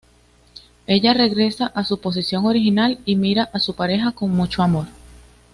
Ella regresa a su posición original y mira a su pareja con mucho amor.